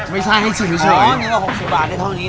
ไม่ใช่ให้ชิมเฉยอ๋อนี่ก็๖๐บาทได้เท่านี้